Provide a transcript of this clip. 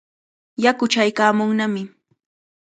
Yaku chaykaamunnami.